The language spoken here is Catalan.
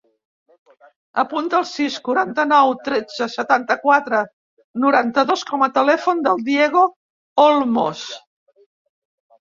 Apunta el sis, quaranta-nou, tretze, setanta-quatre, noranta-dos com a telèfon del Diego Olmos.